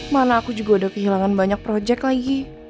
mana aku juga udah kehilangan banyak project lagi